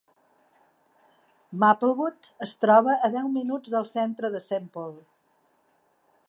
Maplewood es troba a deu minuts del centre de Saint Paul.